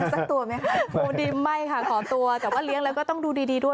สักตัวไหมคะโอ้ดีไม่ค่ะขอตัวแต่ว่าเลี้ยงแล้วก็ต้องดูดีดีด้วย